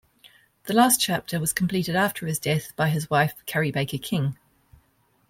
The last chapter was completed after his death by his wife, Carrie Baker King.